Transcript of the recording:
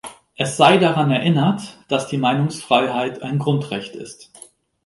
Es sei daran erinnert, dass die Meinungsfreiheit ein Grundrecht ist.